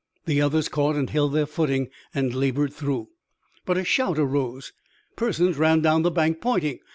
The others caught and held their footing, labored through. But a shout arose. Persons ran down the bank, pointing.